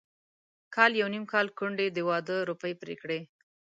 کال يو نيم کال کونډې د واده روپۍ پرې کړې.